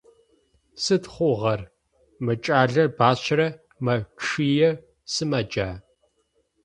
Сыд хъугъэр, мы кӏалэр бащэрэ мэчъые, сымаджа?